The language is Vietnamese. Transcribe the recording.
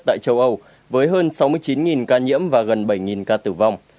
tại châu âu với hơn sáu mươi chín ca nhiễm và gần bảy ca tử vong